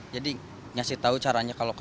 jadi ngasih tau caranya kalau ke